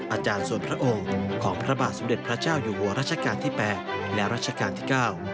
อาจารย์ส่วนพระองค์ของพระบาทสมเด็จพระเจ้าอยู่หัวรัชกาลที่๘และรัชกาลที่๙